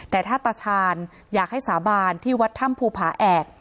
แต่ถ้าตาชาญอยากให้สาบานที่วัดถ้ำภูผาแอก